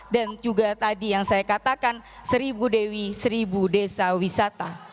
dan juga tadi yang saya katakan seribu dewi seribu desa wisata